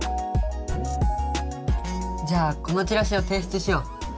じゃあこのチラシを提出しよう。